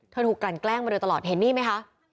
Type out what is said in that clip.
ถูกกลั่นแกล้งมาโดยตลอดเห็นนี่ไหมคะ